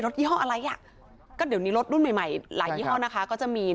รถยี่ห้ออะไรอะก็เดี๋ยวนี้รถรุ่นใหม่หลายยี่ห้อก็จะมี